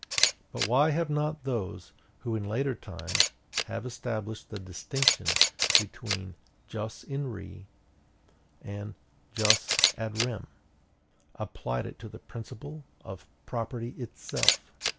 But why have not those, who in later times have established the distinction between jus in re and jus ad rem, applied it to the principle of property itself?